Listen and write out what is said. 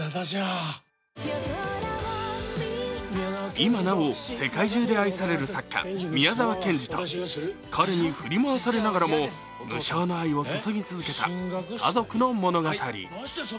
今なお世界中で愛される作家・宮沢賢治と彼に振り回されながらも無償の愛を注ぎ続けた家族の物語。